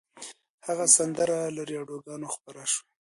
هغه سندره له راډیوګانو خپره شوه